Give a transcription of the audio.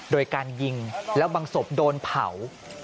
โดยการยิงแล้วบางศพโดนเผา